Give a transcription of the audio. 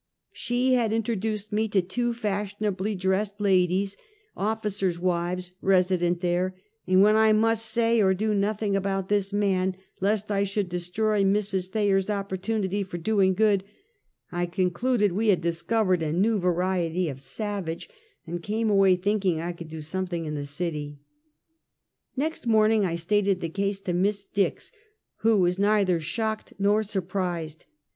She had intro duced me to two fashionably dressed ladies, officers' wifes, resident there; and when I must say or do nothing about this man, lest I should destroy Mrs. Thayer's opportunity for doing good, I concluded we had discovered a new variety of savage, and came away thinking I could do something in the city. 'Next morning I stated the case to Miss Dix, who was neither shocked nor surprised.